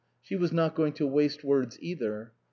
She was not going to waste words either.